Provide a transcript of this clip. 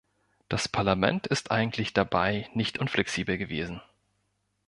Das Parlament ist eigentlich dabei nicht unflexibel gewesen.